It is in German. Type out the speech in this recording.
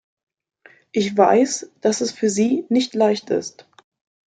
Ich weiß, dass es für Sie nicht leicht ist.